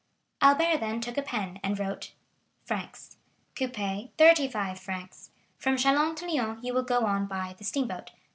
Albert then took a pen, and wrote: Frs. Coupé, thirty five francs........ ...................... 35. From Châlons to Lyons you will go on by the steamboat..